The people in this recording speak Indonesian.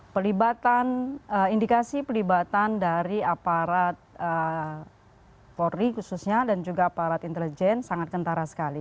pelibatan indikasi pelibatan dari aparat polri khususnya dan juga aparat intelijen sangat kentara sekali